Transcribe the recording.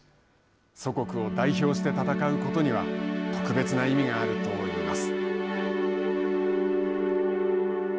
祖国を代表して戦うことには特別な意味があると言います。